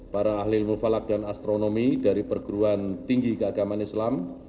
para ahli ilmu falak dan astronomi dari perguruan tinggi keagaman islam